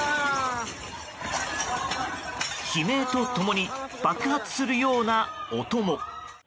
悲鳴と共に爆発するような音も。